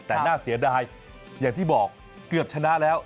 แต่น่าเสียดายอย่างที่บอกเกือบชนะแล้ว